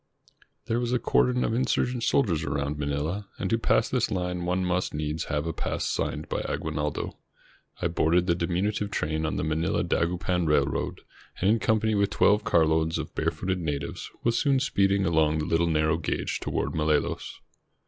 There was a cordon of insurgent soldiers around Manila, and to pass this line one must needs have a pass signed by Aguinaldo. I boarded the diminutive train on the Manila Dagupan Railroad, and in company with twelve carloads of barefooted natives was soon speeding along the Httle narrow gauge toward Malolos.